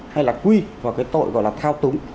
hay là quy vào cái tội gọi là thao túng